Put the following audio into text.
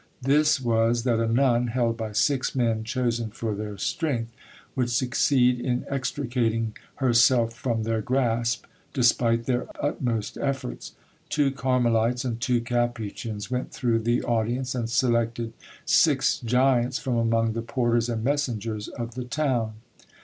This was, that a nun, held by six men chosen for their strength, would succeed in extricating herself from their grasp, despite their utmost efforts. Two Carmelites and two Capuchins went through the audience and selected six giants from among the porters and messengers of the town.